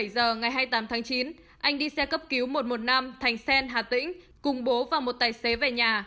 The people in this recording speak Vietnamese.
bảy giờ ngày hai mươi tám tháng chín anh đi xe cấp cứu một trăm một mươi năm thành sen hà tĩnh cùng bố và một tài xế về nhà